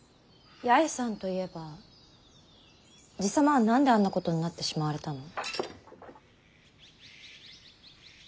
八重さんといえば爺様は何であんなことになってしまわれたの？